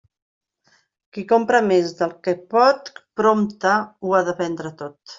Qui compra més del que pot, prompte ho ha de vendre tot.